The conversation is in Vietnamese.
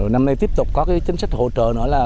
năm nay tiếp tục có cái chính sách hỗ trợ nữa là